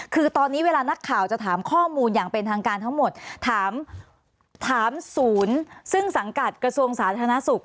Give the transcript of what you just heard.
คือตอนนี้เวลานักข่าวจะถามข้อมูลอย่างเป็นทางการทั้งหมดถามศูนย์ซึ่งสังกัดกระทรวงสาธารณสุข